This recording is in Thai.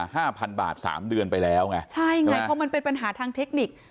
ห้าพันบาทสามเดือนไปแล้วไงใช่ไงเพราะมันเป็นปัญหาทางเทคนิค